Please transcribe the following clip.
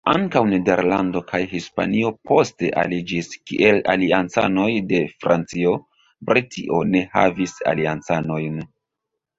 Ankaŭ Nederlando kaj Hispanio poste aliĝis kiel aliancanoj de Francio; Britio ne havis aliancanojn.